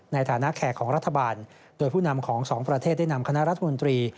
ในฐานะแขกของรัฐบาลโดยผู้นำของสองประเทศได้นำคณะรัฐมนตรี